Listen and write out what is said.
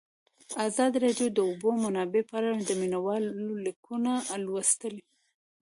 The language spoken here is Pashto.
ازادي راډیو د د اوبو منابع په اړه د مینه والو لیکونه لوستي.